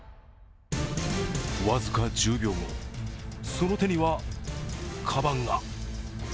僅か１０秒後、その手にはかばんが。